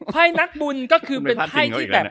ไพ่นักบุญก็คือเป็นไพ่ที่แบบ